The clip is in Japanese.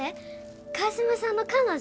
川島さんの彼女？